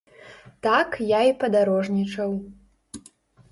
Так я і падарожнічаў.